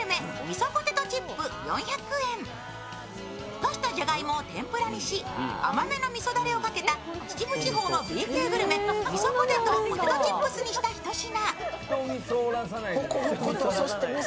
ふかしたじゃがいもを天ぷらにし、甘めのみそだれをかけた秩父地方のＢ級グルメ、みそポテトをポテトチップスにしたひと品。